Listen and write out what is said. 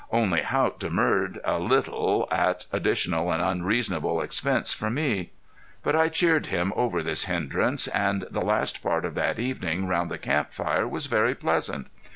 Only Haught demurred a little at additional and unreasonable expense for me. But I cheered him over this hindrance, and the last part of that evening round the camp fire was very pleasant.